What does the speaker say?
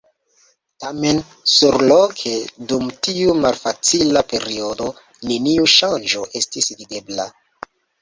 Tamen, surloke, dum tiu malfacila periodo, neniu ŝanĝo estis videbla.